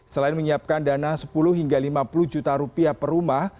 selain menyiapkan dana sepuluh hingga lima puluh juta rupiah per rumah